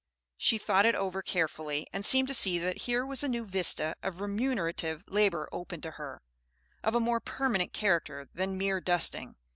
She thought it over carefully, and seemed to see that here was a new vista of remunerative labor opened to her, of a more permanent character than mere dusting.